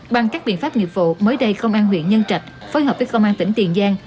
bằng các biện pháp nghiệp vụ mới đây công an huyện nhân trạch phối hợp với công an tỉnh tiền giang